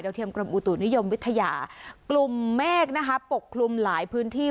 เทียมกรมอุตุนิยมวิทยากลุ่มเมฆนะคะปกคลุมหลายพื้นที่